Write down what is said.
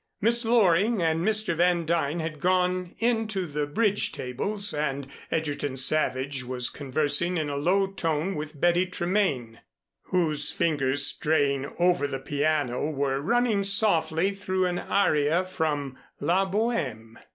Miss Loring and Mr. Van Duyn had gone in to the bridge tables and Egerton Savage was conversing in a low tone with Betty Tremaine, whose fingers straying over the piano, were running softly through an aria from "La Bohème."